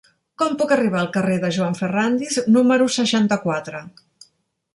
Com puc arribar al carrer de Joan Ferrándiz número seixanta-quatre?